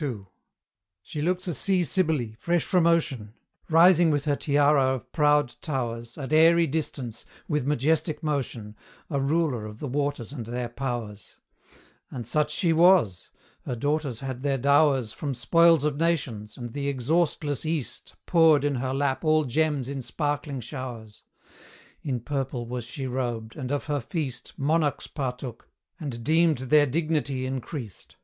II. She looks a sea Cybele, fresh from ocean, Rising with her tiara of proud towers At airy distance, with majestic motion, A ruler of the waters and their powers: And such she was; her daughters had their dowers From spoils of nations, and the exhaustless East Poured in her lap all gems in sparkling showers. In purple was she robed, and of her feast Monarchs partook, and deemed their dignity increased.